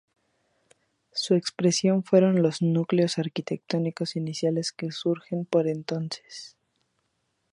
Su expresión fueron los núcleos arquitectónicos iniciales que surgen por entonces.